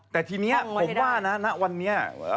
แต่ทีนี้ผมว่านะณวันนี้